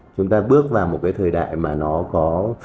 chúng ta bước vào một cái thời đại mà nó có